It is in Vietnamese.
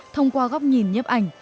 thông qua góc nhìn nhấp ảnh